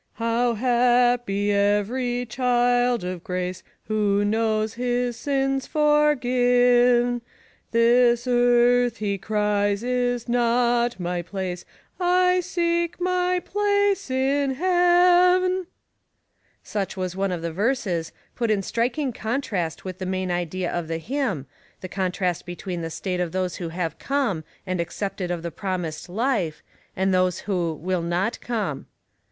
•' How happy every child of grace, Who knows his sins forgiven; This earth, he cries, is not my place, I seek my place ''i heaven." 9 130 Household Puzzles* Such was one of the verses, put in striking contrast with the main idea of the hymn, the contrast between the slate of those who have "come" and accepted of the promised "life,'* and those who will not come.